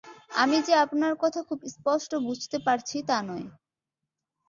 আমি যে আপনার কথা খুব স্পষ্ট বুঝতে পারছি তা নয়।